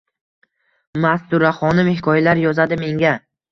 Masturaxonim hikoyalar yozadi menga.